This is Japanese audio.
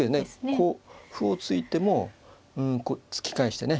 こう歩を突いてもうんこう突き返してね。